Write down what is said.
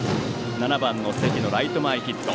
７番、関のライト前ヒット。